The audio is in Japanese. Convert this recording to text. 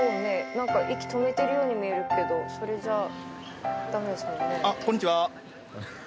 なんか息止めてるように見えるけどそれじゃダメですもんね」